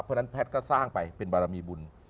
เพราะฉะนั้นแพทย์ก็สร้างไปเป็นบารมีบุญ